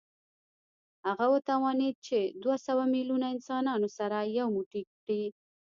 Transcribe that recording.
هغه وتوانېد چې دوه سوه میلیونه انسانان سره یو موټی کړي